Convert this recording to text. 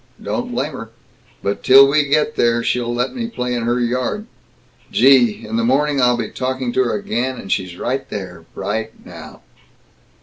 Don't blame her. But till we get there, she'll let me play in her yard. Gee! In the morning I'll be talking to her again, and she's right there, right now!"